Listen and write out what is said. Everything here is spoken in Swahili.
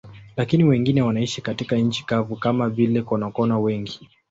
Lakini wengine wanaishi katika nchi kavu, kama vile konokono wengi.